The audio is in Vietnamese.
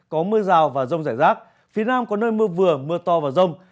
có mưa rào và rông rải rác phía nam có nơi mưa vừa mưa to và rông